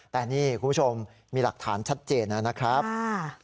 แต่นี่คุณผู้ชมมีหลักฐานชัดเจนนะครับ